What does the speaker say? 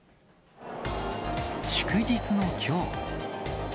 祝日のきょう。